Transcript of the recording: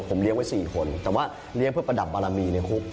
ผมเลี้ยงไว้๔คนแต่ว่าเลี้ยงเพื่อประดับบารมีในคุก